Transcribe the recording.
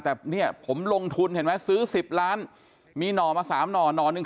แต่ผมลงทุนเห็นไหมซื้อสิบล้านมีหน่อมาสามหน่อน